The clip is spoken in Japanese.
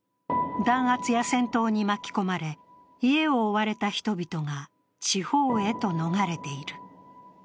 弾圧や戦闘に巻き込まれ家を追われた人々が地方へと逃れている。